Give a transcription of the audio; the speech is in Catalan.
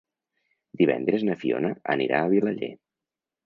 Divendres na Fiona anirà a Vilaller.